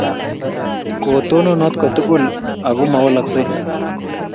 Ko tononot kotugul ok mowolaksei